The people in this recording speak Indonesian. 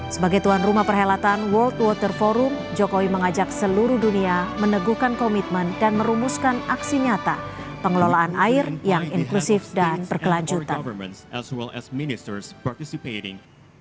sebagai tuan rumah perhelatan world water forum jokowi mengajak seluruh dunia meneguhkan komitmen dan merumuskan aksi nyata pengelolaan air yang inklusif dan berkelanjutan